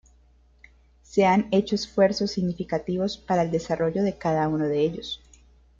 Se han hecho esfuerzos significativos para el desarrollo de cada uno de ellos.